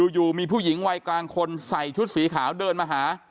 อยู่มีผู้หญิงวัยกลางคนใส่ชุดสีขาวเดินมาหา